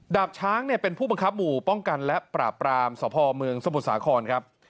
ดาบช้างเป็นผู้ปังคับหมู่ป้องกันและปราปรามสภอมืองสมุดสาคร